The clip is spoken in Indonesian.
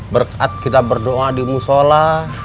berkat kita berdoa di musola